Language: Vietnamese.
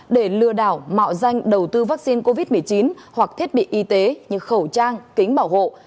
để lừa đảo mạo danh đầu tư vaccine covid một mươi chín hoặc thiết bị y tế như khẩu trang kính bảo hộ